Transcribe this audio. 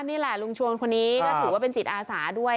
นี่แหละลุงชวนคนนี้ก็ถือว่าเป็นจิตอาสาด้วย